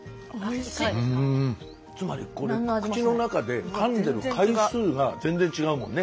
つまりこれ口の中でかんでる回数が全然違うもんね。